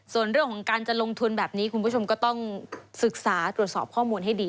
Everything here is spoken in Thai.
ส่วนเรื่องของการจะลงทุนแบบนี้คุณผู้ชมก็ต้องศึกษาตรวจสอบข้อมูลให้ดี